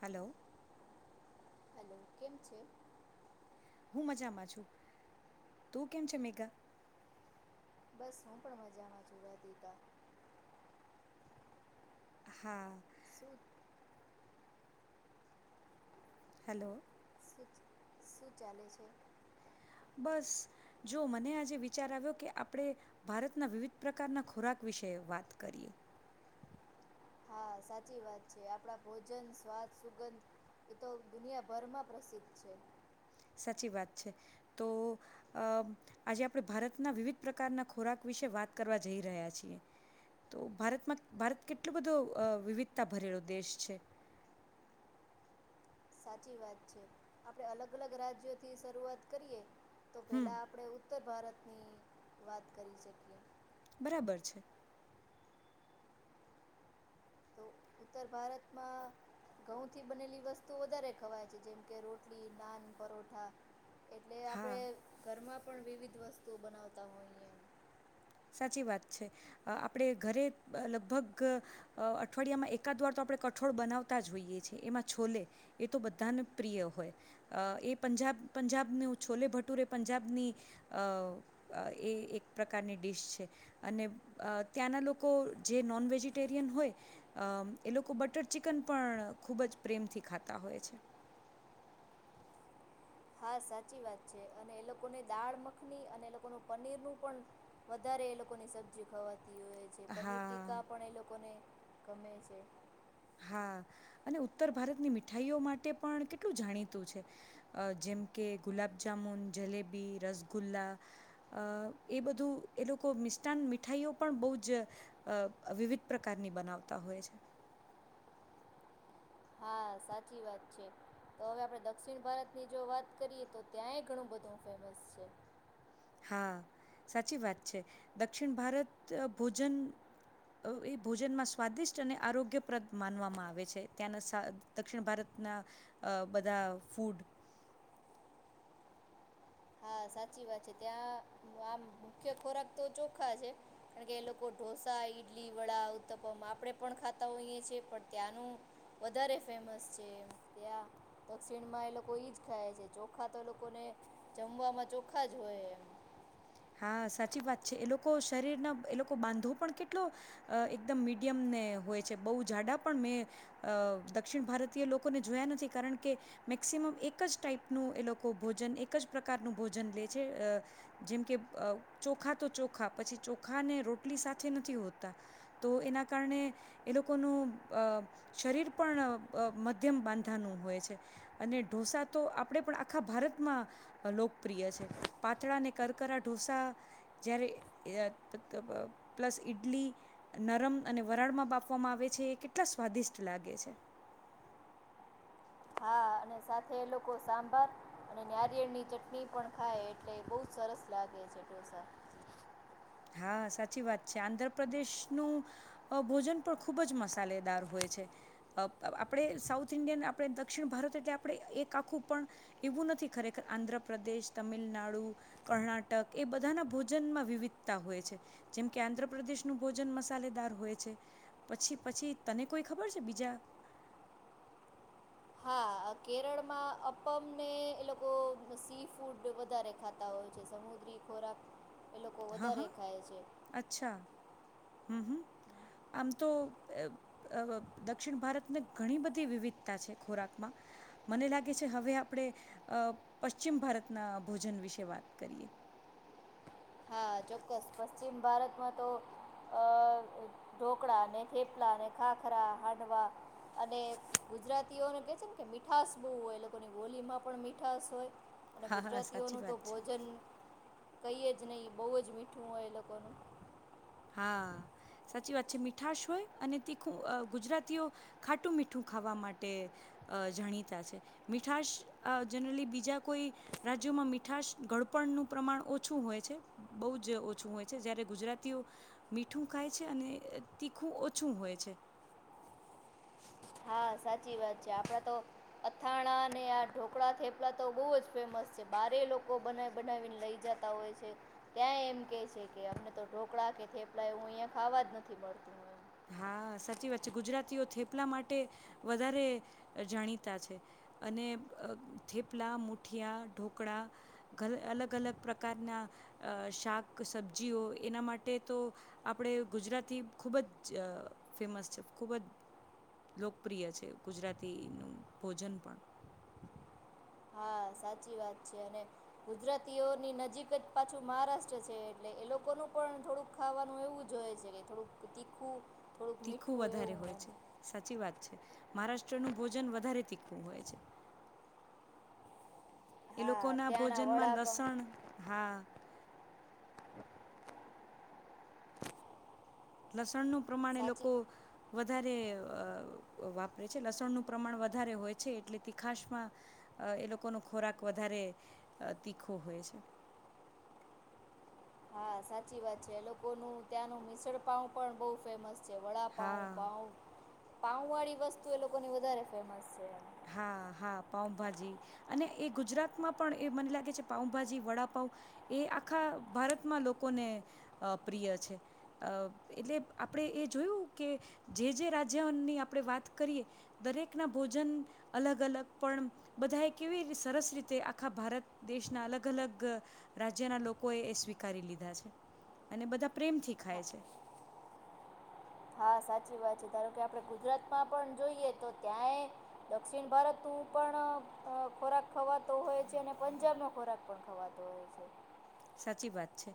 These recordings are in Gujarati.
હલો હલો [inaudible] કેમ છેે હું મજામાં છું. તું કેમ છે? મેઘા બસ હું પણ મજામાં છું. વ દીધા હા. શું [unintelligible] હલો શું ચાલે છે? બસ જો મને આજે વિચાર આવ્યો કે આપણે ભારતના વિવિધ પ્રકારના ખોરાક વિશે વાત કરીએ. હા સાચી વાત છે. આપડા ભોજન સ્વાદ સુગંધ એતો દુનિયાભરમાં પ્રસિદ્ધ છે. સાચી વાત છે. તો અ આજે આપણે ભારતના વિવિધ પ્રકારના ખોરાક વિશે વાત કરવા જઈ રહ્યા છીએ. તો ભારતમાં ભારત કેટલું બધું વિવિધતા ભરેલો દેશ છે. સાચી વાત છે આપડે અલગ અલગ રાજ્યો થી શરૂઆત કરીએ તો હમ પેલા આપડે ઉત્તર ભારત ની વાત કરી શકીએ. બરાબર છે. તો ઉત્તર ભારતમાં ઘઉં થી બનેલી વસ્તુ વધારે ખવાય છે. જેમ કે રોટલી નાન પરોઠા એટલે હા આપડે ઘરમાં પણ વિવિધ વસ્તુઓ બનાવતા હોઈ એમ સાચી વાત છે. આપણે ઘરે લગભગ અઠવાડિયામાં એકાદ વાર તો આપણે કઠોળ બનાવતા જ હોઈએ છેએ એમાં છોલે એ તો બધાને પ્રિય હોય એ પંજાબ પંજાબને છોલે ભટુરે એ પંજાબની અ એ એક પ્રકારની ડીશ છે. અને ત્યાંના લોકો જે નોન વેજિટેરિયન હોય એ લોકો બટર ચિકન પણ ખૂબ જ પ્રેમથી ખાતા હોય છે. હા સાચી વાત છે. અને એ લોકોને દાળ મખની અને એ લોકોનું પનીર નું પણ વધારે એ લોકોની સબ્જી ખવાથી હોય પનીર હા ટીકા પણ એ લોકોને ગમે છે. હા અને ઉત્તર ભારતની મીઠાઈઓ માટે પણ કેટલું જાણીતું છે અ જેમ કે ગુલાબજામુન જલેબી રસગુલ્લા અ એ બધું એ લોકો મિષ્ટાન મીઠાઈઓ પણ બહુ જ વિવિધ પ્રકારની બનાવતા હોય છે. હા સાચી વાત છે તો હવે આપણે દક્ષિણ ભારતની જો વાત કરીએ તો ત્યાંય ઘણું બધું ફેમસ છે. હા સાચી વાત છે દક્ષિણ ભારત ભોજન એ ભોજનમાં સ્વાદિષ્ટ અને આરોગ્યપ્રદ માનવામાં આવે છે ત્યાંના સા દક્ષિણ ભારતના બધા ફૂડ હા સાચી વાત છે ત્યાં આમ મુખ્ય ખોરાક તો ચોખા છે કારણ કે એ લોકો ઢોસા ઇડલી વડા ઉત્તપમ આપણે પણ ખાતા હોઈએ છીએ પણ ત્યાંનું વધારે ફેમસ છે એમ ત્યાં દક્ષિણમાં એ લોકો એ જ ખાય છે ચોખા તો લોકોને જમવાવામાં ચોખા જ હોય એમ હા સાચી વાત છે એ લોકો શરીરના એ લોકો બાંધો પણ કેટલો અ એકદમ મીડિયમને હોય છે બહુ જાડા પણ મેં દક્ષિણ ભારતીય લોકોને જોયા નથી કારણ કે મેક્સિમમ એક જ ટાાઈપનું એ લોકો ભોજન એક જ પ્રકારનું ભોજન લે છે જેમ કે અ ચોખા તો ચોખા પછી ચોખા ને રોટલી સાથે નથી હોતા તો એના કારણે એ લોકોનું અ શરીર પણ મધ્યમ બાંધાનું હોય છે અને ઢોસા તો આપણે પણ આખા ભારતમાં લોકપ્રિય છે પાતળાને કરકર ઢોસા જ્યારે અ પ્લસ ઈડલી નરમ અને વરાળમાં બાફવામાં આવે છે એ કેટલા સ્વાદિષ્ટ લાગે છે. હા અને સાથે એ લોકો સાંભાર અને નારિયેળ ની ચટણી પણ ખાય એટલે બઉ સરસ લાગે છે ઢોસા. હા સાચી વાત છે આંધ્રપ્રદેશનું ભોજન પણ ખૂબ જ મસાલેદાર હોય છે અ આપ આપણે સાઉથ ઇન્ડિયન આપણે દક્ષિણ ભારત એટલે આપણે એક આખું પણ એવું નથી ખરેખર આંધ્રપ્રદેશ તમિલનાડુ કર્ણાટક એ બધાના ભોજનમાં વિવિધ તા હોય છે જેમ કે આંધ્રપ્રદેશનું ભોજન મસાલેદાર હોય છે પછી પછી તને કોઈ ખબર છે બીજા હા કેરળમાં અપ્પમને એ લોકો સી ફૂડ વધારે ખાતા હોય છે સમુદ્રી ખોરાક. એ લોકો હા હા વધારે ખાય છે. અચ્છા હમ હમ આમ તો અ દક્ષિણ ભારતને ઘણી બધી વિવિધતા છે ખોરાકમાં મને લાગે છે હવે આપણે અ પશ્ચિમ ભારતના ભોજન વિશે વાત કરીએ. હા ચોક્કસ પશ્ચિમ ભારતમાં તો ઢોકળા ને થેપલા ને ખાખરા હાંડવા અને ગુજરાતીઓને કે છે ને કે મીઠાશ બહુ હોય એ લોકોની બોલીમાં પણ મીઠાસ હોય. અને હા હા સાચી ગુજરાતીઓનું તો વાત છે ભોજન કઈ જ નહીં બહુ જ મીઠું હોય એ લોકોનું હા સાચી વાત છે મીઠાશ હોય અને તીખું ગુજરાતીઓ ખાટું મીઠું ખાવા માટે અ જાણીતા છે મીઠાશ જનરલી બીજા કોઈ રાજ્યોમાં મીઠાશ ગડપણનું પ્રમાણ ઓછું હોય છે બહુ જ ઓછું હોય છે જ્યારે ગુજરાતી તેઓ મીઠું ખાય છે અને તીખું ઓછું હોય છે. હા સાચી વાત છે આપણા તો અથાણા અને આ ઢોકળા થેપલા તો બહુ જ ફેમસ છે બારે લોકો બનાવી બનાવીને લઈ જતા હોય છે ત્યાં એમ કે છે કે અમને તો ઢોકળા કે થેપલા એવું અહિયાં ખાવા જ નથી મળતું. હા સાચી વાત છે ગુજરાતીઓ થેપલા માટે વધારે જાણીતા છે અને અ થેપલા મુઠિયા ઢોકળા અલગ અલગ પ્રકારના શાક સબ્જીઓ એના માટે તો આપણે ગુજરાતી ખૂબ જ ફેમસ છે ખૂબ જ લોકપ્રિય છે ગુજરાતીનું ભોજન પણ હા સાચી વાત છે અને ગુજરાતીઓની નજીક જ પાછું મહારાષ્ટ્ર છે એટલે એ લોકોનું પણ થોડુંક ખાવાનું એવું જ હોય છે કે થોડુંક તીખું થોડુંક તીખું મીઠું વધારે એવું હોય એમ છે સાચી વાત છે. મહારાષ્ટ્રનું ભોજન વધારે તીખું હોય છે. એ લોકો હા ના ત્યાંના ભોજનમાં વડા પણ લસણ હા લસણનું પ્રમાણે સાચી લોકો વધ વધારે અ વાપરે છે લસણનું પ્રમાણ વધારે હોય છે એટલે તીખાસમાં એ લોકોનો ખોરાક વધારે તીખો હોય છે. હા સાચી વાત છે એ લોકોનું ત્યાં નું મિસળપાવ પણ બહુ ફેમસ જે વડા પાવ હા પાવ પાઉ વાળી વસ્તુ એ લોકોની વધારે ફેમસ છે. હા હા પાઉભાજી અને એ ગુજરાતમાં પણ એ મને લાગે છે પાઉભાજી વડાપઉ એ આખા ભારતમાં લોકોને પ્રિય છે એટલે આપણેે એ જોયું કે જે જે રાજ્યની આપણે વાત કરીએ દરેકના ભોજન અલગ અલગ પણ બધાએ કેવી સરસ રીતે આખા ભારત દેશના અલગ અલગ રાજ્યના લોકોએ એ સ્વીકારી લીધા છે અને બધા પ્રેમથી હા ખાય છે. હા સાચી વાત છે ધારો કે આપણે ગુજરાતમાં પણ જોઈએ તો ત્યાંય દક્ષિણ ભારત નો પણ ખોરાક ખવાતો હોય છે અને પંજાબનો ખોરાક પણ ખવાતો હોય છે. સાચી વાત છે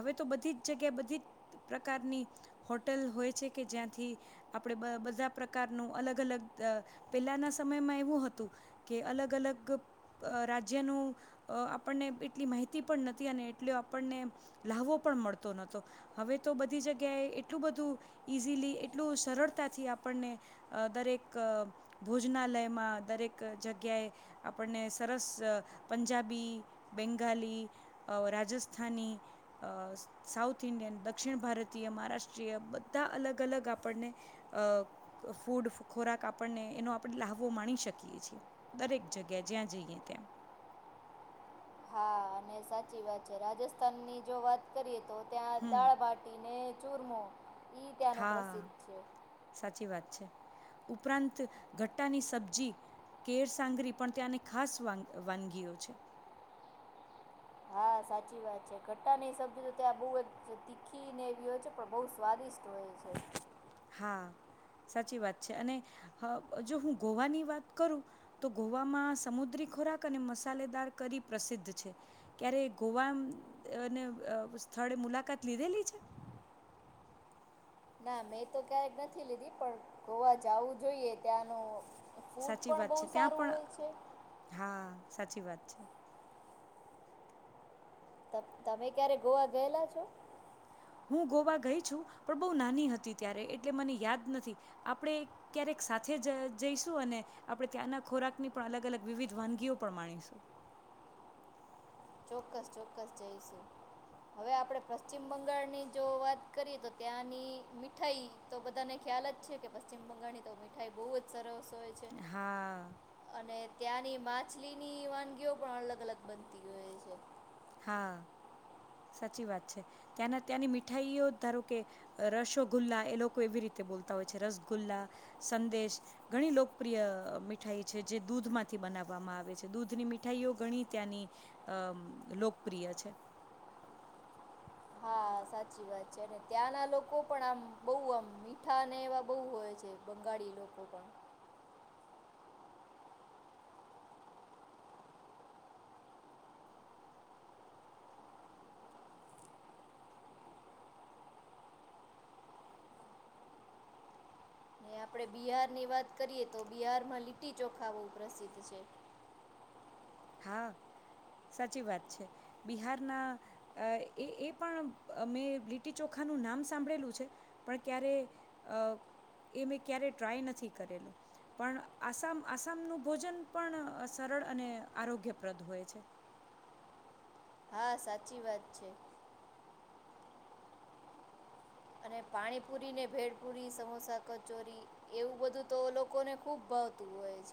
હવે તો બધી જ જગ્યા બધી જ પ્રકારની હોટેલ હોય છે કે જ્યાંથી આપણે બધા પ્રકારનું અલગ અલગ પેલાના સમયમાં એવું હતું કે અલગ અલગ રાજ્યનું આપણને એટલી માહિતી પણ નથી અને એટલો આપણને લ્હાવો પણ મળતોહતો હવે તો બધી જગ્યાએ એટલું બધું ઈઝીલી એટલું સરળતાથી આપણને દરેક ભોજનાલયમાં દરેક જગ્યાએ આપણને સરસ પંજાબી, બેંગાલી રાજસ્થાની અ સાઉથ ઇન્ડિયન દક્ષિણ ભારતીય મહારાષ્ટ્રીય બધા અલગ અલગ આપણને અ ફૂડ ખોરાક આપણને એનો આપણે લ્હાવો આપીએ માણી શકીએ છીએ દરેક જગ્યાએ જ્યાં જઈએ ત્યાં હા અને સાચી વાત છે રાજસ્થાનની જો વાત કરીએ તો ત્યાં હમ દાળ બાાટીને ચૂરમો ઈ ત્યાંનું હા પ્રસિદ્ધ છે સાચી વાત છે. ઉપરાંત ગટ્ટાની સબ્જી કેરસાંગરી પણ ત્યાંને ખાસ વાનગીઓ છે. હા સાચી વાત છે ખટ્ટાની સબ્જી તો ત્યાં બહુ જ તીખીને એવી હોય છે પણ બહુ સ્વાદિષ્ટ હોય છે. હા સાચી વાત છે અને જો હું ગોવાની વાત કરું તો ગોવામાં સમુદ્રી ખોરાક અને મસાલેદાર કરી પ્રસિદ્ધ છે ક્યારે ગોવાને સ્થળે મુલાકાત લીધેલી છે. ના મેં તો ક્યારેક નથી લીધી પણ ગોવા જવું જોઈએ ત્યાંનું ફૂડ સાચી પણ વાત બહુ છે ત્યાં સારું પણ હોય છે. હા સાચી વાત છે. તમે ક્યારે ગોવા ગયેલા છો? હું ગોવા ગઈ છું પણ બહુ નાની હતી ત્યારે એટલે મને યાદ નથી આપણે ક્યારેક સાથે જ જઈશું અને આપણે ત્યાંના ખોરાકની પણ અલગ-અલગ વિવિધ વાનગીઓ પણ માણીશું. ચોક્કસ ચોક્કસ જઈશું હવે આપડે પશ્ચિમ બંગાળની જો વાત કરીએ તો ત્યાંની મીઠાઈ તો બધાને ખ્યાલ જ છે કે પશ્ચિમ બંગાળની તો મીઠાઈ બહુ જ સરસ. હોઈ છે હા અને ત્યાંની. માછલી ની વાનગીઓ પણ અલગ-અલગ બનતી હોય છે. હા સાચી વાત છે ત્યાંના ત્યાંની મીઠાઈઓ ધારો કે રસોગુલ્લા એ લોકો એવી રીતે બોલતા હોય છે, રસગુલ્લા સંદેશ ઘણી લોકપ્રિય મીઠાઈ છે જે દૂધ માંથી બનાવવામાં આવે છે દૂધની મીઠાઈઓ ઘણી ત્યાંની અ લોક પ્રિય છે. હા સાચી વાત છે અને ત્યાંના લોકો પણ આમ બહુ આમ મીઠા ને એવા બહુ હોય છે બંગાળી લોકો પણ. અને આપડે બિહાર ની વાત કરીએ તો બિહાર માં લીટી ચોખા બઉ પ્રસિદ્ધ છે. હા સાચી વાત છે બિહારના એ એ પણ મેં લીટી ચોખાનું નામ સાંભળેલું છે, પણ ક્યારે એ મેં ક્યારે ટ્રાય નથી કરેલું પણ આસામ, આસામનું ભોજન પણ સરળ અને. આરોગ્યપ્રદ હોય છે. હા સાચી વાત છે. અને પાણીપુરી ને ભેડપુરી, સમોસા, કચોરી એવું બધું તો લોકોને ખુબ ભાવ.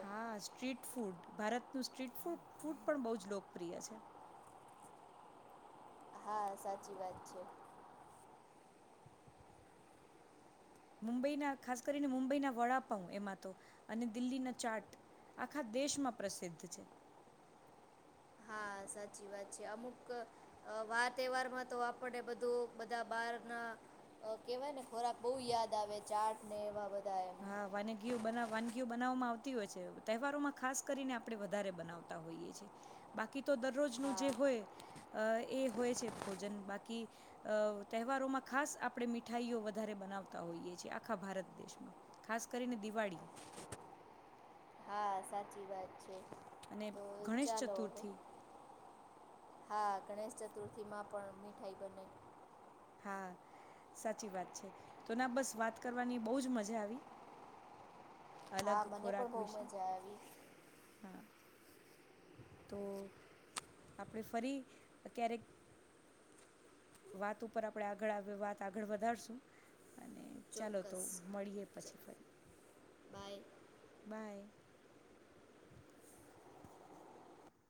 હા સ્ટ્રીટ ફૂડ ભારત નું સ્ટ્રીટ ફૂડ ફૂડ પણ બહુ જ લોકપ્રિય છે. હા સાચી વાત છે. મુંબઈના ખાસ કરીને મુંબઈના વડાપાઉ એમાં તો અને દિલ્હીના ચાટ આખા દેશમાં પ્રસિદ્ધ છે. હા સાચી વાત છે અમુક વાર તહેવારમાં તો આપને બધું બધા બાર ના કેહેવાય ને ખોરાક બહુ યાદ આવે ચાટ ને એવા બધા. એમ હા વાનગીઓ બ વાનગીઓ બનાવવામાં આવતી હોય છે તહેવારોમાં ખાસ કરીને આપણે વધારે બનાવતા હોઈએ છીએ, બાકી તો દરરોજનું હા જે હોય એ હોય છે ભોજન બાકી તહેવારોમાં ખાસ આપણે મીઠાઈઓ વધારે બનાવતા હોઈએ છીએ આખા ભારત દેશમાં. ખાસ કરીને દિવાળી. હા સાચી વાત છે. અને તો ગણેશ ચાલો હવે ચતુર્થી. હા ગણેશ ચતુર્થીમાં પણ મીઠાઈ બને. હા સાચી વાત છે તો ના બસ વાત કરવાની બહજ મજા આવી. અલગ હા મને ખોરાક પણ બહુ વિશે મજા આવી. હા તો આપણે ફરી ક્યારેક વાત ઉપર આપણે આગળ આવે વાત આગળ વધારશું. અને ચાલો તો ચોક્કસ મળીએ ચ પછી ફરી. Bye by.